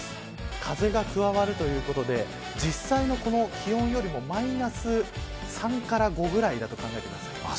風が加わるということで実際の気温よりもマイナス３から５ぐらいだと考えてください。